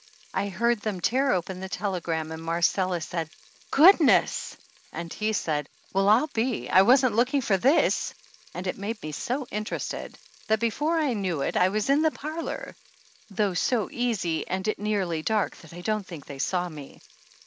I heard them tear open the telegram and Marcella said, "Good ness;" and he said, "Well, I'll be I wasn't looking for this !" and it made me so interested that before I knew it I was in the parlor, though so easy 117 THE ANNALS OF ANN and it nearly dark that I don't think they saw me.